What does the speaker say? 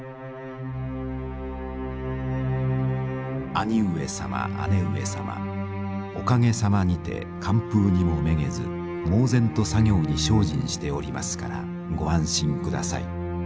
「兄上様姉上様おかげさまにて寒風にもめげず猛然と作業に精進しておりますからご安心ください。